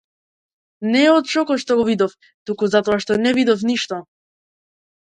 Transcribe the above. Не од шокот што го видов, туку затоа што не видов ништо.